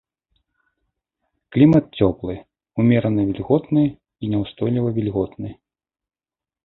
Клімат цёплы, умерана вільготны і няўстойліва вільготны.